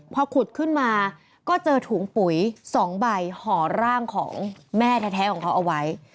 พอขุดขึ้นมาก็เจอถุงปุ๋ย๒ใบห่อร่างของแม่แท้ของเขาเอาไว้